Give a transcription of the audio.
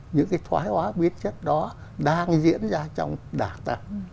những cái thoái hóa biến chất đó đang diễn ra trong đạt tạng